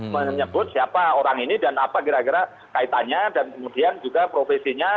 menyebut siapa orang ini dan apa kira kira kaitannya dan kemudian juga profesinya